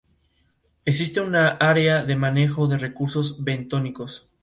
Destacó por su activismo feminista y pacifista.